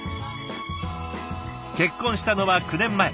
結婚したのは９年前。